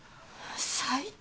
最低。